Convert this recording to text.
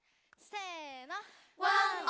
せの。